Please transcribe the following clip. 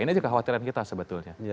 ini aja kekhawatiran kita sebetulnya